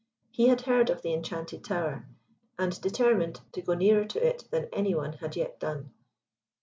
He had heard of the Enchanted Tower, and determined to go nearer to it than any one had yet done.